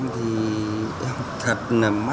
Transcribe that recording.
kiểm tra đã